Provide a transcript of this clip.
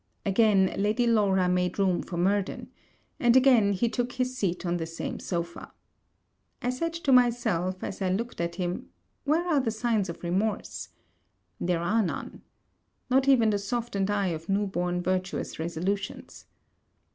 Again, Lady Laura made room for Murden; and again, he took his seat on the same sopha. I said to myself, as I looked at him, where are the signs of remorse? There are none. Not even the softened eye of new born virtuous resolutions.